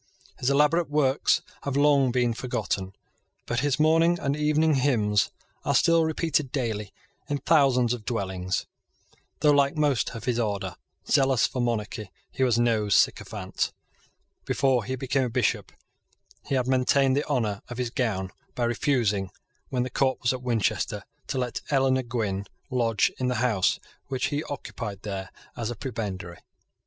His elaborate works have long been forgotten; but his morning and evening hymns are still repeated daily in thousands of dwellings. Though, like most of his order, zealous for monarchy, he was no sycophant. Before he became a Bishop, he had maintained the honour of his gown by refusing, when the court was at Winchester, to let Eleanor Gwynn lodge in the house which he occupied there as a prebendary.